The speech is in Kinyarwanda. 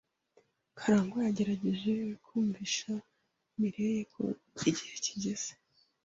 Karangwa yagerageje kumvisha Mirelle ko igihe kigeze.